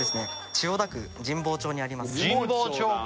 千代田区神保町にあります神保町か！